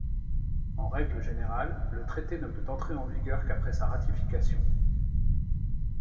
En règle générale, le traité ne peut entrer en vigueur qu'après sa ratification.